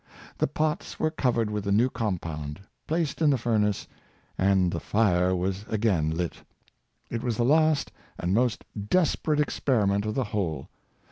The pots were covered with the new compound, placed in the furnace, and the fire was again lit. It'was the last and most desperate experiment of the whole.